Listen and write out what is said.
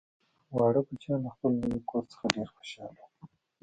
واړه بچیان له خپل نوي کور څخه ډیر خوشحاله وو